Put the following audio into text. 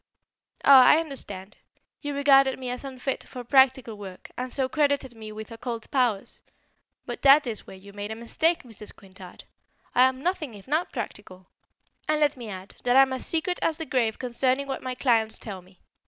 "Ah, I understand. You regarded me as unfit for practical work, and so credited me with occult powers. But that is where you made a mistake, Mrs. Quintard; I'm nothing if not practical. And let me add, that I'm as secret as the grave concerning what my clients tell me.